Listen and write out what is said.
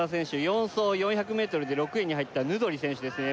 ４走４００ｍで６位に入ったヌドリ選手ですね